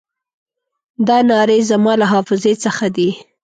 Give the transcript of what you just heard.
دا نارې زما له حافظې څخه دي.